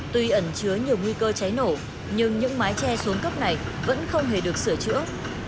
tuy ẩn chứa nhiều nguy cơ cháy nổ nhưng những mái tre xuống cấp này vẫn không hề được sửa chữa